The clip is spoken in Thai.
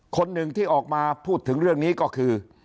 คนหนึ่งที่ออกมาพูดถึงเรื่องนี้ก็คือ